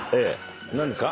何ですか？